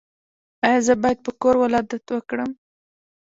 ایا زه باید په کور ولادت وکړم؟